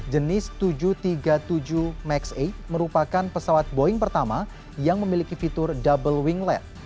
jenis tujuh ratus tiga puluh tujuh max delapan merupakan pesawat boeing pertama yang memiliki fitur double winglet